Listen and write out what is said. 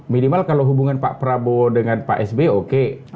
minimal kalau hubungan pak prabowo dengan pak sby oke